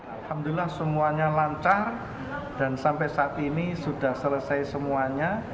alhamdulillah semuanya lancar dan sampai saat ini sudah selesai semuanya